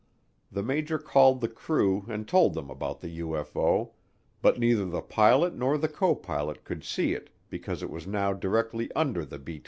The major called the crew and told them about the UFO, but neither the pilot nor the copilot could see it because it was now directly under the B 29.